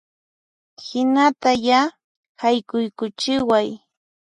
Hinata ya, haykuykuchiway